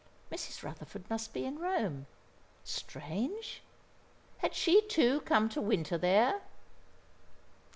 Mrs. Rutherford must be in Rome. Strange! Had she, too, come to winter there?